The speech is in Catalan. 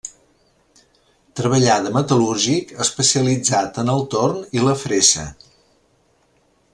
Treballà de metal·lúrgic, especialitzat en el torn i la fressa.